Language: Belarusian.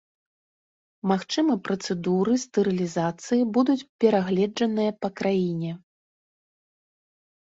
Магчыма, працэдуры стэрылізацыі будуць перагледжаныя па краіне.